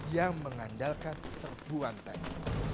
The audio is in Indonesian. yang mengandalkan serbuan tank